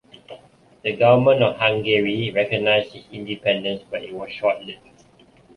The government of Hungary recognized its independence, but it was short-lived.